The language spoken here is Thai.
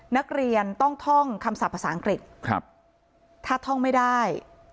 นักเรียนต้องท่องคำศัพท์ภาษาอังกฤษครับถ้าท่องไม่ได้